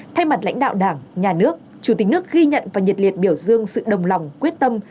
thay mặt lãnh đạo đảng nhà nước chủ tịch nước ghi nhận và nhiệt liệt biểu dương sự đồng lòng quyết tâm